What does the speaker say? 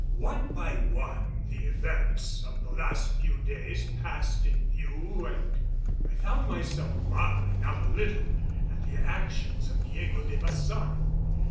One by one the events of the last few days passed in view and I found myself marveling not a little at the actions of Diego de Baçan.